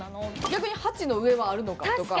逆に８の上はあるのかとか。